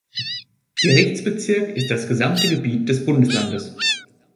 Gerichtsbezirk ist das gesamte Gebiet des Bundeslandes.